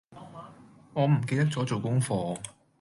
我唔記得咗做功課